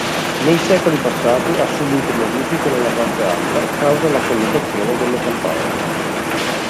Nei secoli passati ha subito modifiche nella parte alta causa la collocazione delle campane.